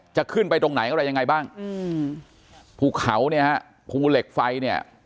จะขึ้นไปตรงไหนอะไรยังไงบ้างอืมภูเขาเนี่ยฮะภูเหล็กไฟเนี่ย